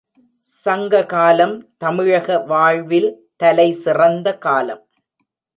சங்க காலம், தமிழக வாழ்வில் தலை சிறந்த காலம்.